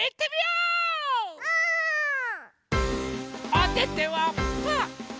おててはパー！